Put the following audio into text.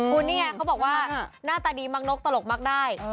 คุณนี่ไงเขาบอกว่าหน้าตาดีมักนกตลกมักได้